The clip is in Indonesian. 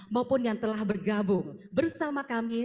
maupun yang telah bergabung bersama kami